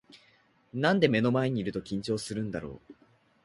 なんで目の前にいると緊張するんだろう